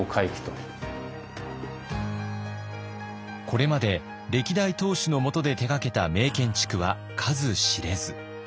これまで歴代当主の下で手がけた名建築は数知れず。